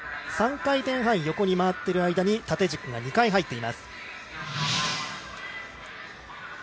３回転半、横に回っている間に縦軸が２回入っています。